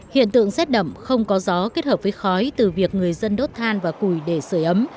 hiện tượng rét đậm không có gió kết hợp với khói từ việc người dân đốt than và củi để sửa ấm